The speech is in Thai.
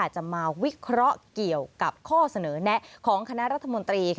จะมาวิเคราะห์เกี่ยวกับข้อเสนอแนะของคณะรัฐมนตรี